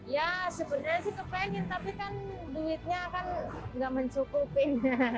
ya sebenarnya sih kepingin tapi kan duitnya kan enggak mencukupin